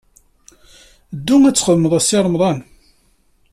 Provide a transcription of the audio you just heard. Ddu ad txedmed a Si Remḍan!